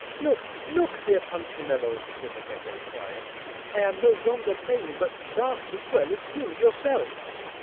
"Look, look, dear Punchinello!" little Beppo cried. "I am no longer lame but dance as well as you yourself."